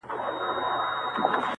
سترګې د حيا لمن کښې واچوه